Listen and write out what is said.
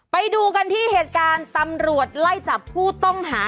ไปดูกันที่เหตุการณ์ตำรวจไล่จับผู้ต้องหา